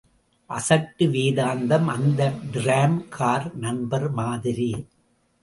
அசட்டு வேதாந்தம் அந்த tram car நண்பர் மாதிரி.